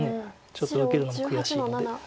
ちょっと受けるのも悔しいので。